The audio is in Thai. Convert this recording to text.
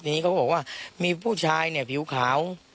ทีนี้เขาบอกว่ามีผู้ชายเนี่ยผิวขาว